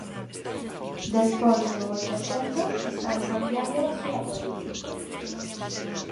Despois de moito tempo están cambiando a súa política.